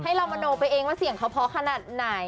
เรามโนไปเองว่าเสียงเขาเพราะขนาดไหน